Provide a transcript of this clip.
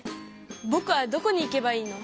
「ぼくはどこに行けばいいの？」。